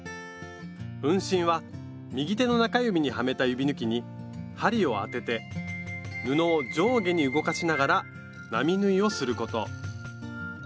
運針は右手の中指にはめた指ぬきに針を当てて布を上下に動かしながら並縫いをすること。